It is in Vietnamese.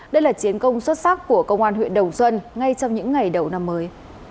đây là chiến công xuất sắc của công an huyện đồng xuân ngay trong những ngày đầu năm mới